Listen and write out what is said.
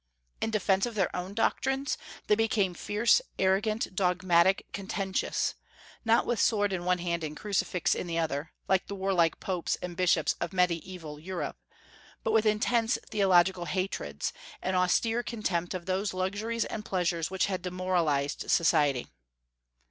In defence of their own doctrines they became fierce, arrogant, dogmatic, contentious, not with sword in one hand and crucifix in the other, like the warlike popes and bishops of mediaeval Europe, but with intense theological hatreds, and austere contempt of those luxuries and pleasures which had demoralized society.